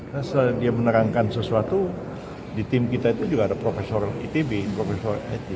nah setelah dia menerangkan sesuatu di tim kita itu juga ada profesor itb profesor ed